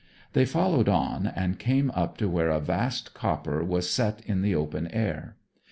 They followed on, and came up to where a vast copper was set in the open air.